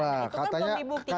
itu kan belum dibuktikan